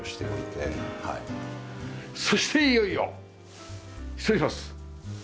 そしていよいよ失礼します。